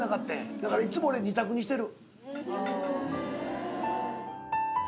だからいつも俺２択にしてる。